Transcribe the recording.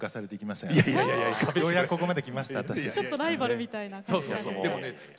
ちょっとライバルみたいな感じ。